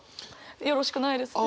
よろしくないですね。